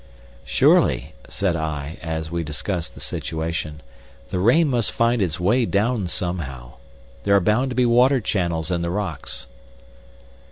"Surely," said I, as we discussed the situation, "the rain must find its way down somehow. There are bound to be water channels in the rocks."